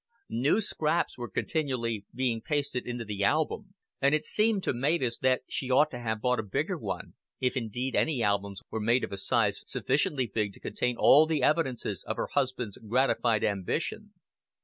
New scraps were continually being pasted into the album, and it seemed to Mavis that she ought to have bought a bigger one, if indeed any albums were made of a size sufficiently big to contain all the evidences of her husband's gratified ambition.